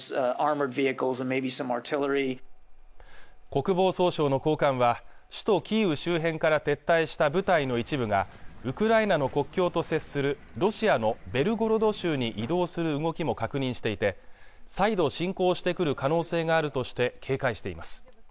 国防総省の高官は首都キーウ周辺から撤退した部隊の一部がウクライナの国境と接するロシアのベルゴロド州に移動する動きも確認していて再度侵攻してくる可能性があるとして警戒しています